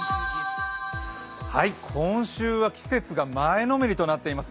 今週は季節が前のめりとなっています。